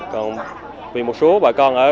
còn vì một số bà con ở